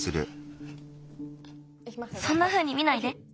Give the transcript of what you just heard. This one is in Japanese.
そんなふうに見ないで。